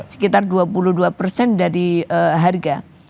sekitar dua puluh dua persen dari harga